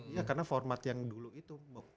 ya karena format yang dulu itu